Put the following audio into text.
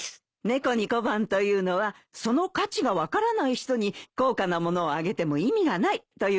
猫に小判というのはその価値が分からない人に高価な物をあげても意味がないということなのね。